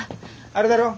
あれだろ？